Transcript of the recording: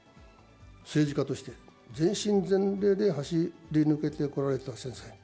政治家として、全身全霊で走り抜けてこられた先生。